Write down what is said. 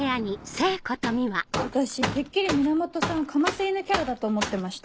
私てっきり源さんかませ犬キャラだと思ってました。